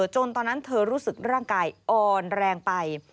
ตอนนั้นเธอรู้สึกร่างกายอ่อนแรงไป